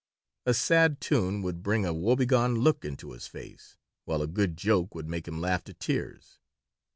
A sad tune would bring a woebegone look into his face, while a good joke would make him laugh to tears.